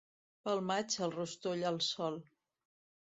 Pel maig, el rostoll al sol.